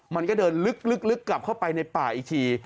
มันก็เดินลึกกลับเข้าไปในป่าอีกที